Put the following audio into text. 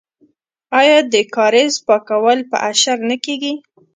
آیا د کاریز پاکول په اشر نه کیږي؟